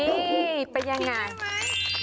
นี่เป็นอย่างไร